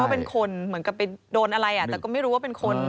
เป็นคนเหมือนกับไปโดนอะไรแต่ก็ไม่รู้ว่าเป็นคน